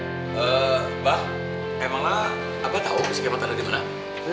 emanglah abah tahu si kemot ada di mana